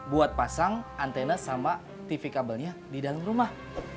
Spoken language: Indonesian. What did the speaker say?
buat pasang antena sama tv kabelnya di dalam rumah